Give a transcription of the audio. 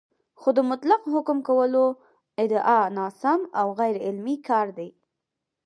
خو د مطلق حکم کولو ادعا ناسم او غیرعلمي کار دی